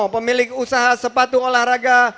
pemilik usaha sepatu olahraga